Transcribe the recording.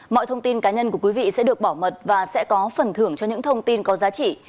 mọi thông tin cá nhân của quý vị sẽ được bảo mật và sẽ có phần thưởng cho những thông tin có giá trị